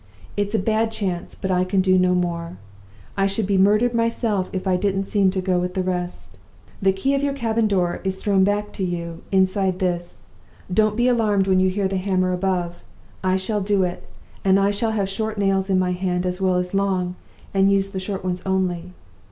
It's a bad chance, but I can do no more. I should be murdered myself if I didn't seem to go with the rest. The key of your cabin door is thrown back to you, inside this. Don't be alarmed when you hear the hammer above. I shall do it, and I shall have short nails in my hand as well as long, and use the short ones only.